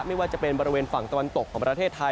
ไม่ว่าจะเป็นบริเวณฝั่งตะวันตกของประเทศไทย